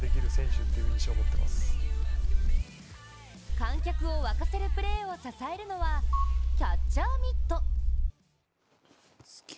観客を沸かせるプレーを支えるのはキャッチャーミット。